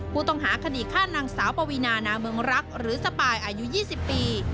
ผู้ต้องหาคดีฆ่านางสาวปวีนานาเมืองรักหรือสปายอายุ๒๐ปี